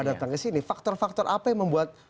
datang ke sini faktor faktor apa yang membuat